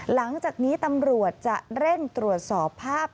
หลังจากนี้ตำรวจจะเร่งตรวจสอบภาพ